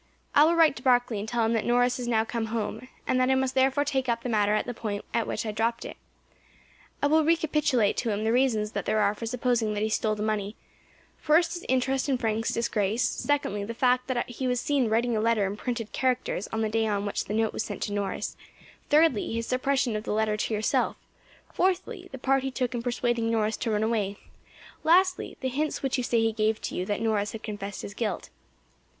I will write to Barkley and tell him that Norris has now come home, and that I must therefore take up the matter at the point at which I dropped it. I will recapitulate to him the reasons that there are for supposing that he stole the money, first, his interest in Frank's disgrace; secondly, the fact that he was seen writing a letter in printed characters on the day on which the note was sent to Norris; thirdly, his suppression of the letter to yourself; fourthly, the part he took in persuading Norris to run away; lastly, the hints which you say he gave you that Norris had confessed his guilt.